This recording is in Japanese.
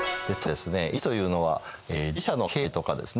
市というのは寺社の境内とかですね